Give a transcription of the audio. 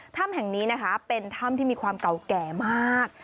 ถ้ำแห่งนี้นะคะเป็นถ้ำที่มีความเก่าแก่มาก